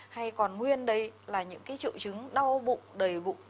hay còn nguyên đấy là những triệu chứng đau bụng đầy bụng